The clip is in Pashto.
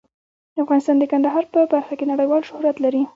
افغانستان د کندهار په برخه کې نړیوال شهرت لري.